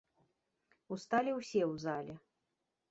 Усталі ўсе ў зале.